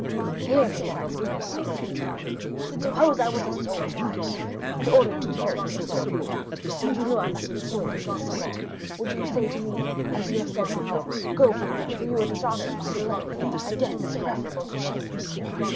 "Hear me, Maximilian," said his father. "Suppose I were a soldier like you, and ordered to carry a certain redoubt, and you knew I must be killed in the assault, would you not say to me, as you said just now, 'Go, father; for you are dishonored by delay, and death is preferable to shame!